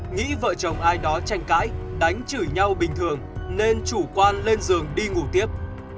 nghĩ vợ chồng ai đó tranh cãi đánh chửi nhau bình thường nên chủ quan lên giường đi ngủ tiếp